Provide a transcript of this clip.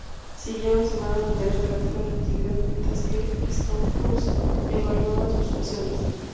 Siguieron semanas de relativa inactividad, mientras que Stenhouse evaluaba sus opciones.